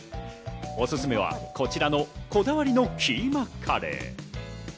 おすすめはこちらのこだわりのキーマカレー。